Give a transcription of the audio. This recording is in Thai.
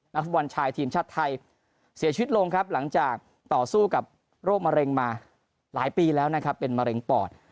ฟุตบอลชายทีมชาติไทยเสียชีวิตลงครับหลังจากต่อสู้กับโรคมะเร็งมาหลายปีแล้วนะครับเป็นมะเร็งปอด